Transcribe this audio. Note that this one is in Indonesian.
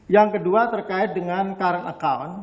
yang kedua terkait dengan current account